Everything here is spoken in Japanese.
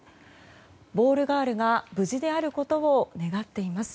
ボールガールが無事であることを願っています。